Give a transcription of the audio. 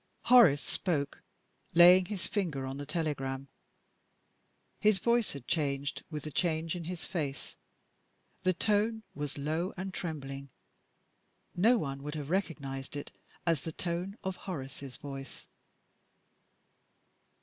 Horace spoke, laying his finger on the telegram. His voice had changed with the change in his face. The tone was low and trembling: no one would have recognized it as the tone of Horace's voice.